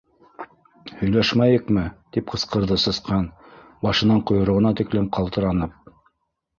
— Һөйләшмәйекме? — тип ҡысҡырҙы Сысҡан, башынан ҡойроғона тиклем ҡалтыранып.